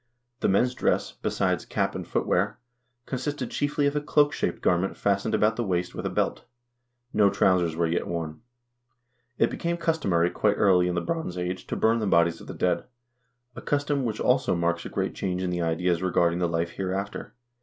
The men's dress, besides cap and footwear, con sisted chiefly of a cloak shaped garment fastened about the waist with a belt. No trousers were yet worn. It became customary quite early in the Bronze Age to burn the bodies of the dead, a custom which also marks a great change in the ideas regarding the life hereafter.